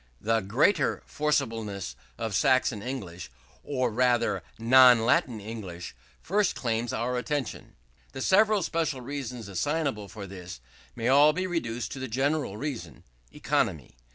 The greater forcibleness of Saxon English, or rather non Latin English, first claims our attention. The several special reasons assignable for this may all be reduced to the general reason economy.